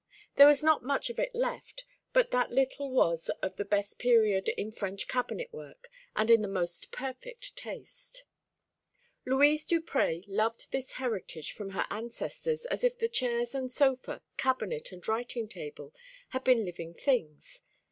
There was not much of it left, but that little was of the best period in French cabinet work, and in the most perfect taste. Louise Duprez loved this heritage from her ancestors as if the chairs and sofa, cabinet and writing table, had been living things.